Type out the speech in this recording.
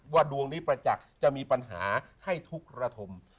ดวงนี้ประจักษ์จะมีปัญหาให้ทุกระทม